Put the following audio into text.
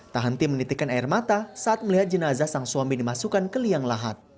tak henti menitikan air mata saat melihat jenazah sang suami dimasukkan ke liang lahat